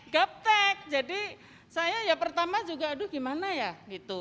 gaptek jadi saya ya pertama juga aduh gimana ya gitu